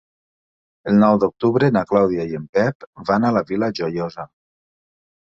El nou d'octubre na Clàudia i en Pep van a la Vila Joiosa.